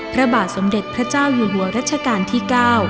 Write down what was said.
พระบาทสมเด็จพระเจ้าอยู่หัวรัชกาลที่๙